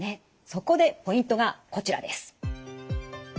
そこでポイントがこちらです。